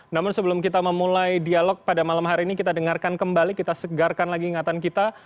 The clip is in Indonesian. namun sebelum kita memulai dialog pada malam hari ini kita dengarkan kembali kita segarkan lagi ingatan kita